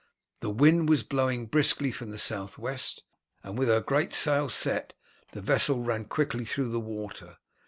The wind was blowing briskly from the south west, and with her great sail set the vessel ran quickly through the water.